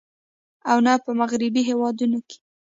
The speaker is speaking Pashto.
او نۀ په مغربي هېوادونو کښې